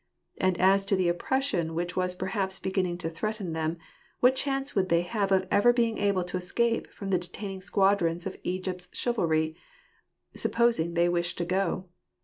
And as to the oppression which was perhaps beginning to threaten them, what chance would they have of ever being able to escape from the detaining squadrons of Egypt's chivalry, supposing they wished to go